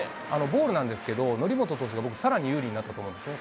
ボールなんですけど、則本投手が僕さらに有利になったと思うんですね。